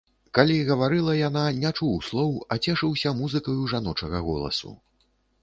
Калі гаварыла яна, не чуў слоў, а цешыўся музыкаю жаночага голасу.